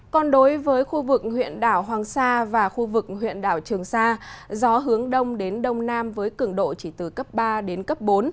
còn đối với khu vực huyện đảo hoàng sa và khu vực huyện đảo trường sa gió hướng đông đến đông nam với cứng độ chỉ từ cấp ba đến cấp bốn